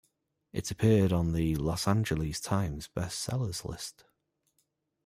It appeared on the Los Angeles Times best-seller's list.